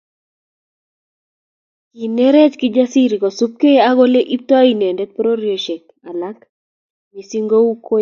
Kinerech Kijasiri kosubkei ak Ole ibtoi inendet pororiosiek alak missing ko kou kwony